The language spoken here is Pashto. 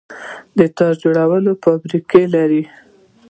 د تار جوړولو فابریکې لرو؟